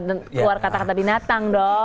keluar kata kata binatang